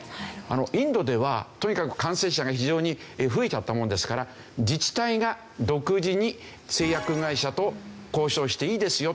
インドではとにかく感染者が非常に増えちゃったものですから自治体が独自に製薬会社と交渉していいですよという事にしたんですよ。